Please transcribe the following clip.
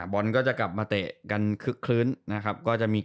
บอลก็จะกลับมาเตะกันคึกคลื้นนะครับ